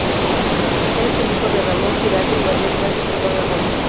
Él es hijo de Ramón Giraldo y María Ignacia Zuloaga Gómez.